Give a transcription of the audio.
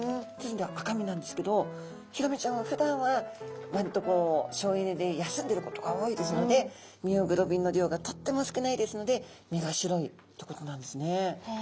赤身なんですけどヒラメちゃんはふだんはわりとこう省エネで休んでることが多いですのでミオグロビンの量がとっても少ないですので身が白いってことなんですね。